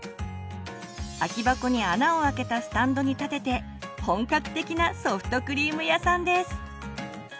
空き箱に穴をあけたスタンドに立てて本格的なソフトクリーム屋さんです！